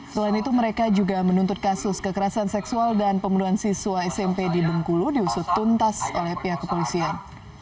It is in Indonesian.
selain itu mereka juga menuntut kasus kekerasan seksual dan pembunuhan siswa smp di bengkulu diusut tuntas oleh pihak kepolisian